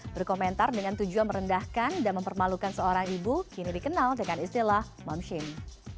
berkomentar dengan tujuan merendahkan dan mempermalukan seorang ibu kini dikenal dengan istilah mom shame